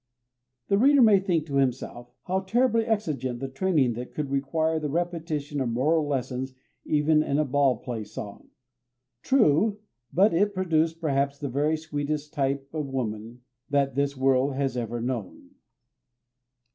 The reader may think to himself, "How terribly exigent the training that could require the repetition of moral lessons even in a 'ball play song'!" True, but it produced perhaps the very sweetest type of woman that this world has ever known.